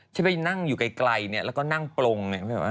ที่ไปนั่งอยู่ไกลแล้วก็นั่งปลงไง